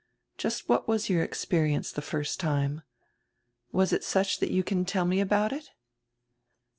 Just what was your experi ence the first time? Was it such that you can tell me about it?"